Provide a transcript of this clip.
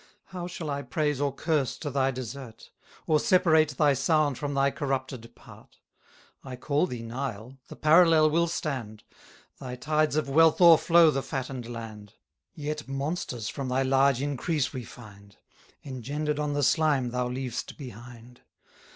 How shall I praise or curse to thy desert? Or separate thy sound from thy corrupted part? 170 I call thee Nile; the parallel will stand; Thy tides of wealth o'erflow the fatten'd land; Yet monsters from thy large increase we find, Engender'd on the slime thou leav'st behind.